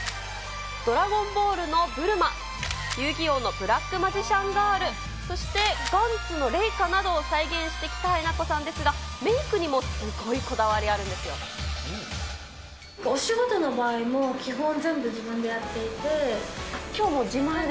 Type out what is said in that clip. ドラゴンボールのブルマ、遊戯王のブラックマジシャンガール、そして、ＧＡＮＴＺのレイカなどを再現してきたえなこさんですが、メークにもすごいこだわり、お仕事の場合も、基本、きょうも自前で？